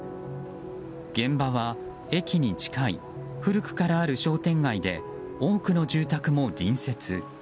現場は駅に近い古くからある商店街で多くの住宅も隣接。